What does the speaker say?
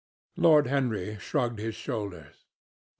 Lord Henry shrugged his shoulders.